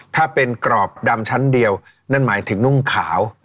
ถ้าเป็นกรอบดำชั้นเดียวนั่นหมายถึงนุ่งขาว